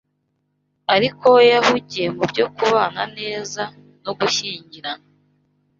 ariko we yahugiye mu byo kubana neza no gushyingirana